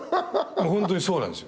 もうホントにそうなんですよ。